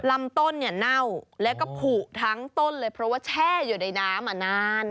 ลำต้นเนี่ยเน่าแล้วก็ผูกทั้งต้นเลยเพราะว่าแช่อยู่ในน้ำมานาน